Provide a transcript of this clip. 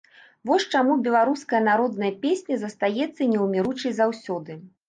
Вось чаму беларуская народная песня застаецца неўміручай заўсёды.